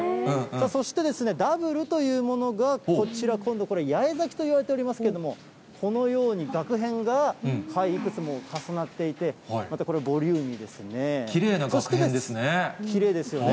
そして、ダブルというものがこちら、今度これ、八重咲といわれておりますけれども、このようにがく片がいくつも重なっていて、またこれ、ボリューミきれいながく片ですね。